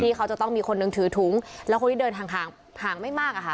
ที่เขาจะต้องมีคนหนึ่งถือถุงแล้วคนที่เดินห่างห่างไม่มากอะค่ะ